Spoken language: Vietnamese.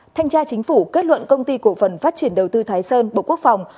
thanh tra chính phủ kết luận công ty cổ phần phát triển đầu tư thái sơn bộ quốc phòng